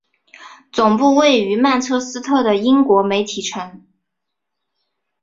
总部位于曼彻斯特的英国媒体城。